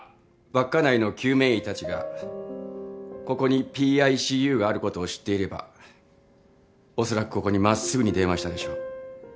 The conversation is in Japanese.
稚内の救命医たちがここにＰＩＣＵがあることを知っていればおそらくここに真っすぐに電話したでしょう。